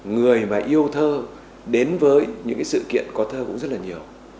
người mà yêu thơ đến với những cái sự kiện có thơ cũng rất là nhiều